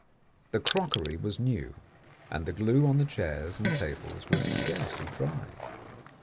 The crockery was new, and the glue on the chairs and tables was scarcely dry.